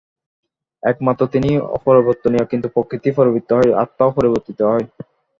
একমাত্র তিনিই অপরিবর্তনীয়, কিন্তু প্রকৃতি পরিবর্তিত হয়, আত্মাও পরিবর্তিত হয়।